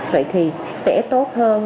vậy thì sẽ tốt hơn